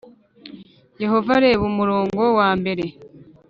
Yehova reba umurongo wa mbere